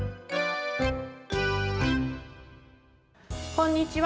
こんにちは。